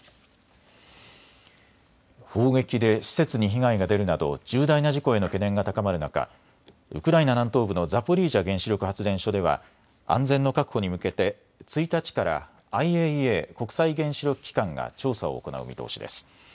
砲撃で施設に被害が出るなど重大な事故への懸念が高まる中、ウクライナ南東部のザポリージャ原子力発電所では安全の確保に向けて１日からＩＡＥＡ・国際原子力機関が調査を行う見通しです。